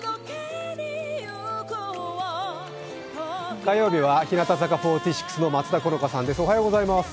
火曜日は日向坂４６の松田好花さんです。